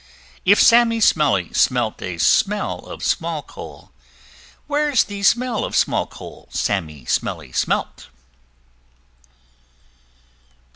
If Sammy Smellie smelt a smell of Small coal, Where's the smell of Small coal Sammy Smellie smelt?